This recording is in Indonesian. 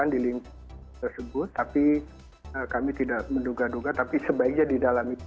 jadi ini adalah hal tersebut tapi kami tidak menduga duga tapi sebaiknya didalami